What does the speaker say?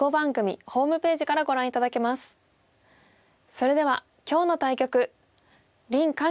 それでは今日の対局林漢